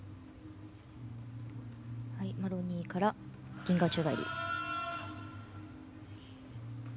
マロニーからギンガー宙返り。